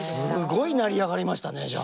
すごい成り上がりましたね！